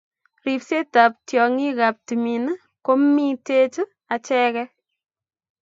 Ripsetab tiongiikab timiin ko miteech acheek